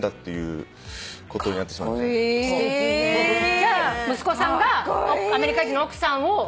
じゃあ息子さんがアメリカ人の奥さんをちゃんと。